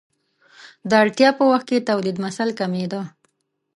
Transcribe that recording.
د اړتیا په وخت کې تولیدمثل کمېده.